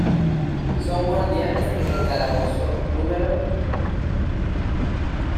Son guardianes en el calabozo No.